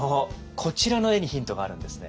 こちらの絵にヒントがあるんですね。